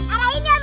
arahin ya mit